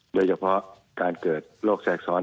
โดยเฉพาะการเกิดโรคแทรกซ้อน